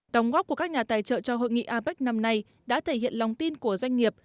đóng góp của các nhà tài trợ cho hội nghị apec năm nay đã thể hiện lòng tin của doanh nghiệp